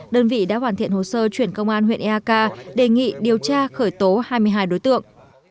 đơn vị đã hoàn thiện hồ sơ chuyển công an huyện eak đề nghị điều tra khởi tố hai mươi hai đối tượng